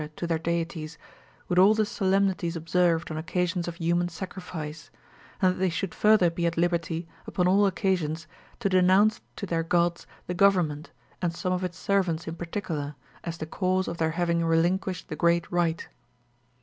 to their deities, with all the solemnities observed on occasions of human sacrifice; and that they should further be at liberty, upon all occasions, to denounce to their gods the Government, and some of its servants in particular, as the cause of their having relinquished the great rite.